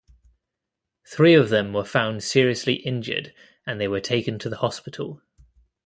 Three of them were found seriously injured and they were taken to the hospital.